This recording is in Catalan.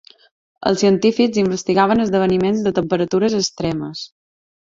Els científics investigaven esdeveniments de temperatures extremes.